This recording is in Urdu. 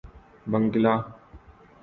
بنگلہ